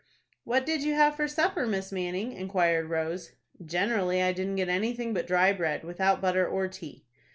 "What did you have for supper, Miss Manning?" inquired Rose. "Generally I didn't get anything but dry bread, without butter or tea."